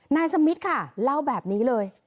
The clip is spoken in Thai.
นายสมิทค่ะเล่าแบบนี้เลย